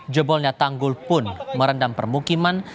jebolnya tanggul pun merendam permukiman